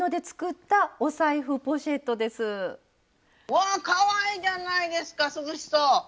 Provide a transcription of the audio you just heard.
わぁかわいいじゃないですか涼しそう！